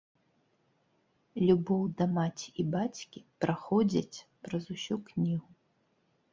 Любоў да маці і бацькі праходзяць праз усю кнігу.